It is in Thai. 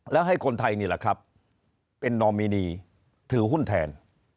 แล้วให้คนไทยนี่แหละครับเป็นนอมินีถือหุ้นแทน